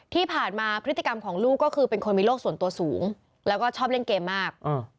ที่ผ่านมาพฤติกรรมของลูกก็คือเป็นคนมีโรคส่วนตัวสูงแล้วก็ชอบเล่นเกมมาก